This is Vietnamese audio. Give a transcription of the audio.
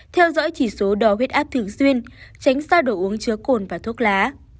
theo dõi chỉ số đo huyết áp thường xuyên tránh xa đồ uống chứa cồn và thuốc lá